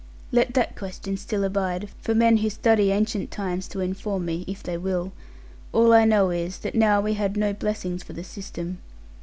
Let that question still abide, for men who study ancient times to inform me, if they will; all I know is, that now we had no blessings for the system.